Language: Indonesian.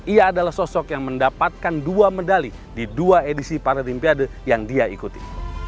ia adalah sosok yang mendapatkan dua medali di dua edisi paralimpiade yang dia ikuti